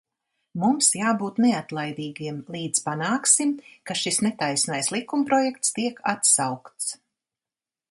Mums jābūt neatlaidīgiem, līdz panāksim, ka šis netaisnais likumprojekts tiek atsaukts.